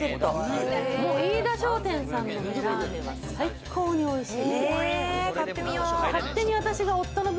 飯田商店のラーメンは最高においしい。